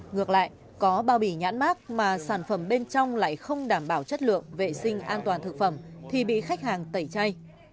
ngược lại có bao bì nhãn mát mà sản phẩm bên trong lại không đảm bảo chất lượng vệ sinh an toàn thực phẩm thì bị khách hàng tẩy chay